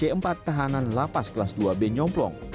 di dalam ruang kelas dua b nyomplong